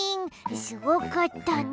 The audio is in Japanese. すごかったね。